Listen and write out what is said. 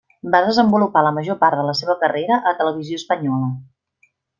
Va desenvolupar la major part de la seva carrera a Televisió Espanyola.